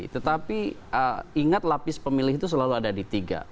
tetapi ingat lapis pemilih itu selalu ada di tiga